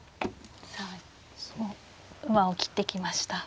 さあ馬を切ってきました。